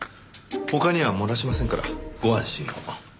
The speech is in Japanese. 他には漏らしませんからご安心を。